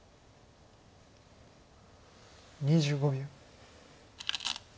２５秒。